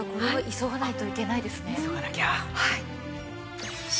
急がなきゃ。